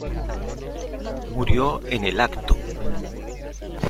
Murió en el acto.